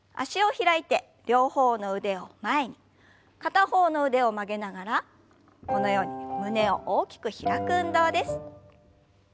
片方の腕を曲げながらこのように胸を大きく開く運動です。